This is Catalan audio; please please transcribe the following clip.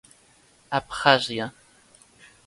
Abkhàzia.